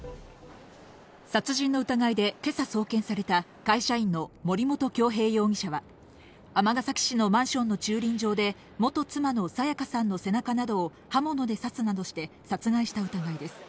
殺人の疑いで今朝送検された会社員の森本恭平容疑者は尼崎市のマンションの駐輪場で元妻の彩加さんの背中などを刃物で刺すなどして殺害した疑いです。